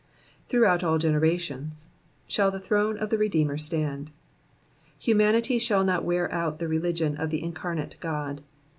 *•* Throughout all generations'* shall the throne of the Redeemer stand. Humanity shall not wear out the religion of the Incarnate God.